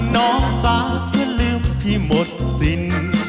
น้องสาวก็ลืมที่หมดสิ้น